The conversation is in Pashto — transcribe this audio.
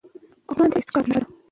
غرونه د استقامت نښه ده.